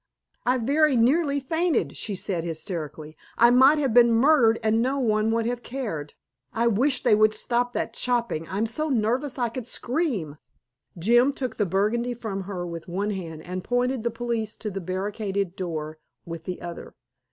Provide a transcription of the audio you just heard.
"I very nearly fainted," she said hysterically. "I might have been murdered, and no one would have cared. I wish they would stop that chopping, I'm so nervous I could scream." Jim took the Burgundy from her with one hand and pointed the police to the barricaded door with the other.